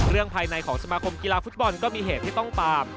ภายในของสมาคมกีฬาฟุตบอลก็มีเหตุที่ต้องตาม